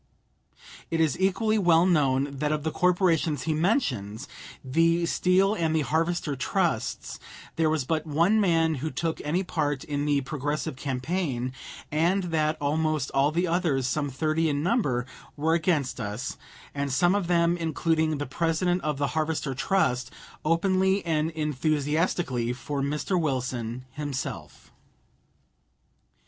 It is equally well known that of the corporations he mentions, the Steel and the Harvester Trusts, there was but one man who took any part in the Progressive campaign, and that almost all the others, some thirty in number, were against us, and some of them, including the President of the Harvester Trust, openly and enthusiastically for Mr. Wilson himself.